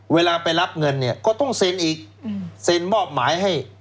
เวลาไปรับเงินเนี่ยก็ต้องเซ็นอีกเซ็นมอบหมายให้